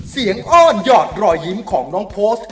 อ้อนหยอดรอยยิ้มของน้องโพสต์